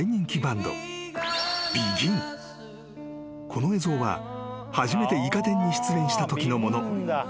［この映像は初めて『イカ天』に出演したときのもの］